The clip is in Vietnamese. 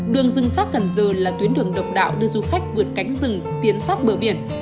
đường rừng sát cần giờ là tuyến đường độc đạo đưa du khách vượt cánh rừng tiến sát bờ biển